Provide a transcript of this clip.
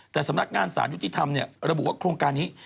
แต่สำนักงานสารยุติธรรมระบุว่าโครงการนี้